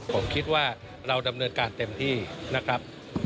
ผมคิดว่าเราดำเนินการเต็มที่นะครับ